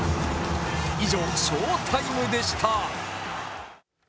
以上、ショウタイムでした。